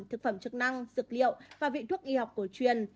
thực phẩm chức năng dược liệu và vị thuốc y học cổ truyền